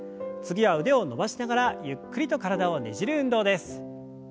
次は腕を伸ばしながらゆっくりと体をねじる運動です。